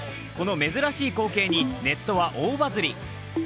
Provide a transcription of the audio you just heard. この珍しい光景にネットは大バズり。